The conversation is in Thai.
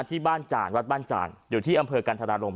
ที่บ้านจ่านวัดบ้านจ่างอยู่ที่อำเภอกันธรารม